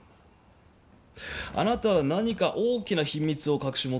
あなたは何か大きな秘密を隠し持っている